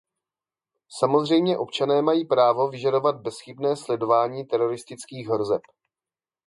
Samozřejmě občané mají právo vyžadovat bezchybné sledování teroristických hrozeb.